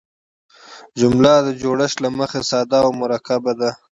جمله د جوړښت له مخه ساده او مرکبه ده.